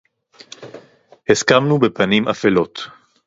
הִסְכַּמְנוּ בְּפָנִים אֲפֵלוֹת.